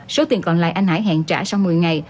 số tiền còn lại anh hải trả sau một mươi ngày